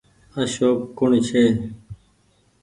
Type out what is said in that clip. اشوڪ ڪوڻ ڇي۔